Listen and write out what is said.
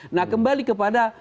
nah kembali kepada